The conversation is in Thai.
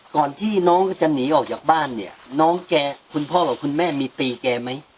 ก่อนที่น้องจะหนีออกจากบ้านเนี่ยน้องแกคุณพ่อกับคุณแม่มีตีแกไหม